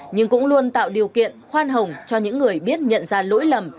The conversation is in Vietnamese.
nhưng cũng luôn tạo điều kiện khoan hồng cho những người biết nhận ra lỗi lầm